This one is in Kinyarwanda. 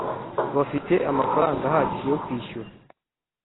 bafite amafaranga ahagije yo kwishura